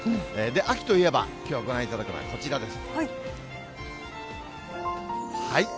秋といえば、きょうご覧いただくのはこちらです。